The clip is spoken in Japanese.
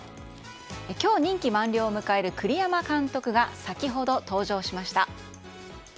今日任期満了を迎える栗山監督が先ほど登場しました。